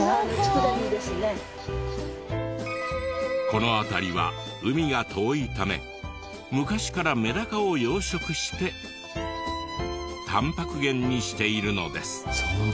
この辺りは海が遠いため昔からメダカを養殖してタンパク源にしているのです。